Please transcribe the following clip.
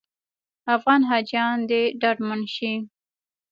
افغان حاجیان دې ډاډمن شي.